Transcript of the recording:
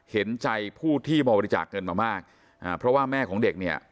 เห็นใจผู้ที่บริจาคเงินมามากอ่าเพราะว่าแม่ของเด็กเนี่ย